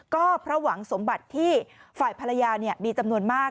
ก็เพราะหวังสมบัติที่ฝ่ายภรรยามีจำนวนมาก